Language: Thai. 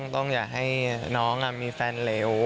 ต้องอยากให้น้องมีแฟนเร็ว